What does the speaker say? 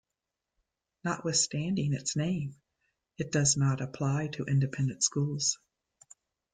Notwithstanding its name, it does not apply to independent schools.